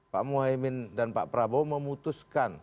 pak muhaymin dan pak prabowo memutuskan